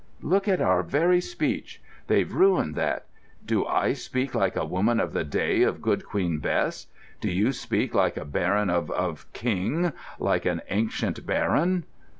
Look at our very speech: they've ruined that. Do I speak like a woman of the day of Good Queen Bess? Do you speak like a baron of—of King—like an ancient baron?"